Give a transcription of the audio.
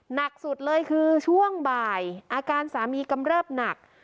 หนักสุดเลยคือช่วงบ่ายอาการสามีกำเริบหนัก